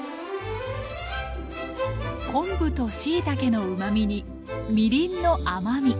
昆布としいたけのうまみにみりんの甘み。